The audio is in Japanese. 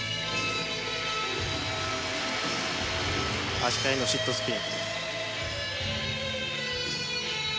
足換えのシットスピン。